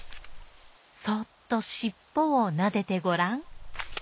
そっとしっぽをなでてごらん。